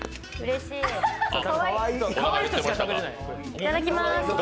いただきまーす。